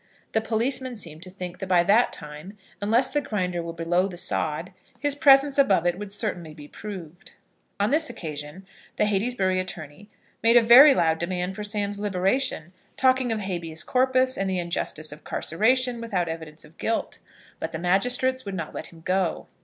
The policeman seemed to think that by that time, unless the Grinder were below the sod, his presence above it would certainly be proved. On this occasion the Heytesbury attorney made a very loud demand for Sam's liberation, talking of habeas corpus, and the injustice of carceration without evidence of guilt. But the magistrates would not let him go.